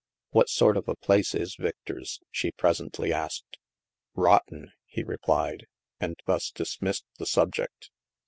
"What sort of a place is Victor's?" she pres ently asked. " Rotten," he replied, and thus dismissed the sub ject.